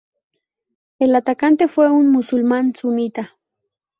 El atacante fue un musulmán sunita.